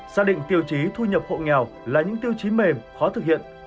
gia đình tiêu chí thu nhập hộ nghèo là những tiêu chí mềm khó thực hiện